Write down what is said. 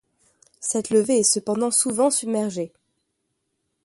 Cette levée est cependant souvent submergée.